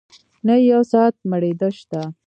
نه يې يو ساعت مړېدۀ شته